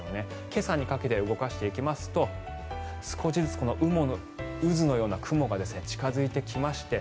今朝にかけて動かしていきますと少しずつ渦のような雲が近付いてきまして